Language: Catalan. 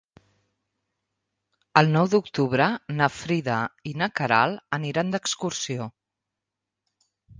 El nou d'octubre na Frida i na Queralt aniran d'excursió.